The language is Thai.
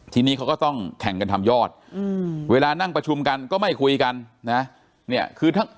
ทีนี้เขาก็ต้องแข่งกันทำยอดเวลานั่งประชุมกันก็ไม่คุยกันนะ